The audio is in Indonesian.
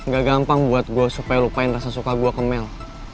gak gampang buat gue supaya lupangin rasa suka gue ke mel